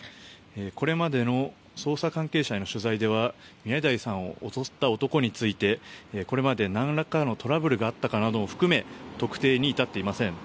これまでの捜査関係者への取材では宮台さんを襲った男についてこれまで何らかのトラブルがあったかも含め特定に至っていません。